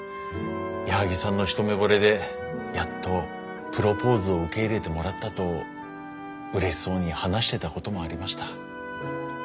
矢作さんの一目ぼれでやっとプロポーズを受け入れてもらったとうれしそうに話してたこともありました。